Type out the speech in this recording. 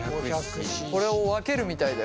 これを分けるみたいだよ。